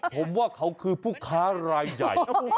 ผมว่าเขาคือผู้ค้ารายใหญ่